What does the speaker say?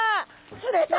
釣れた。